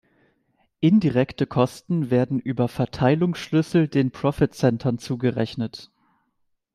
Indirekte Kosten werden über Verteilungsschlüssel den Profit-Centern zugerechnet.